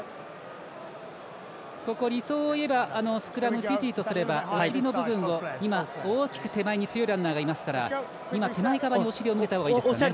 理想をいえば、スクラムフィジーとすれば、お尻の部分手前に強いランナーがいますから手前側にお尻を向けた方がいいですかね。